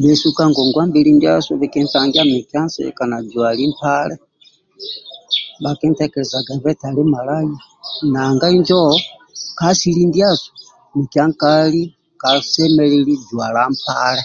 Bhesu ka ngongwa mbili ndiasu bhikintangia mikia nsika na jwali mpale bhakitekelezagabe eti andi malaya nanga injo ka asili ndiasu mikia nkali kasemelelu jwala mpale